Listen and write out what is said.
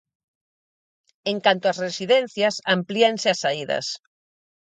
En canto ás residencias, amplíanse as saídas.